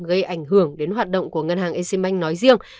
gây ảnh hưởng đến hoạt động của ngân hàng exim bank nói riêng